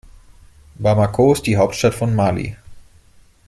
Bamako ist die Hauptstadt von Mali.